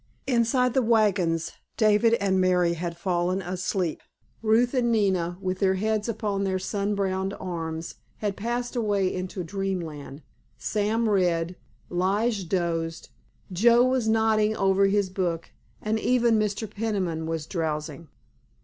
Inside the wagons David and Mary had fallen asleep, Ruth and Nina, with their heads upon their sun browned arms, had passed away into dreamland, Sam read, Lige dozed, Joe was nodding over his book, and even Mr. Peniman was drowsing.